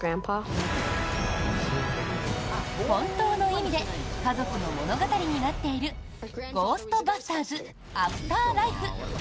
本当の意味で家族の物語になっている「ゴーストバスターズ／アフターライフ」。